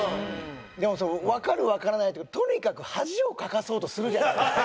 でもわかるわからないとかとにかく恥をかかそうとするじゃないですか。